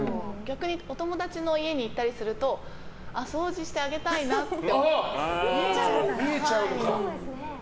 お友達の家に行ったりすると掃除してあげたいなって。